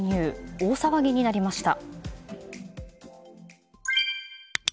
大騒ぎになりました。